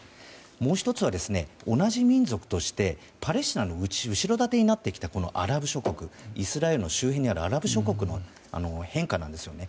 もう１つは同じ民族としてパレスチナの後ろ盾になってきたアラブ諸国イスラエルの周辺のアラブ諸国の変化なんですよね。